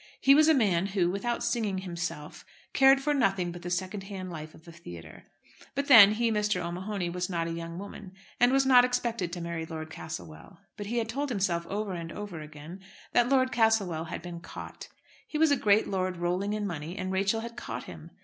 He was a man who, without singing himself, cared for nothing but the second hand life of a theatre. But then he, Mr. O'Mahony, was not a young woman, and was not expected to marry Lord Castlewell. But he had told himself over and over again that Lord Castlewell had been "caught." He was a great lord rolling in money, and Rachel had "caught" him.